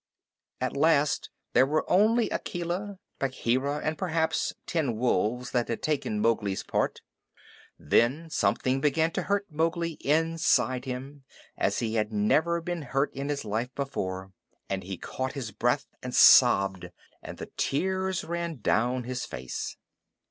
At last there were only Akela, Bagheera, and perhaps ten wolves that had taken Mowgli's part. Then something began to hurt Mowgli inside him, as he had never been hurt in his life before, and he caught his breath and sobbed, and the tears ran down his face.